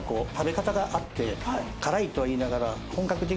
辛いとは言いながら。